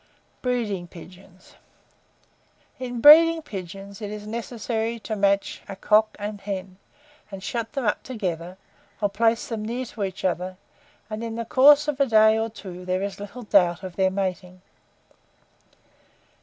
BREEDING PIGEONS. In breeding pigeons, it is necessary to match a cock and hen, and shut them up together, or place them near to each other, and in the course of a day or two there is little doubt of their mating.